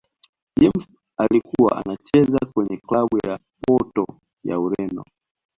james alikuwa anacheza kwenye klabu ya porto ya ureno